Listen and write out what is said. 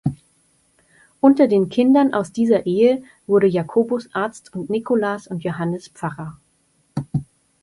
Unter den Kindern aus dieser Ehe wurde Jacobus Arzt und Nicolaas und Johannes Pfarrer.